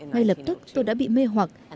ngay lập tức tôi đã bị mê hoặc